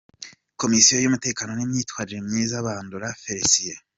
Komisiyo y’umutekano n’imyitwarire myiza : Bandora Félicien.